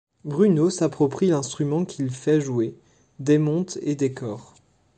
Bruno s'approprie l'instrument qu'il fait jouer, démonte et décore.